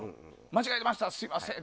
間違いましたすみません！